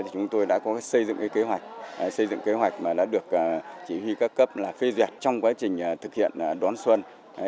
chúng tôi đã có xây dựng kế hoạch xây dựng kế hoạch mà đã được chỉ huy các cấp phê duyệt trong quá trình thực hiện đón xuân